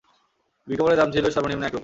বিজ্ঞাপনের দাম ছিল সর্ব নিম্ন এক রুপি।